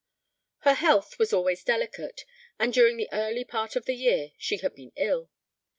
Her health was always delicate, and during the early part of the year she had been ill.